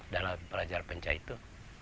dalam belajar pencak itu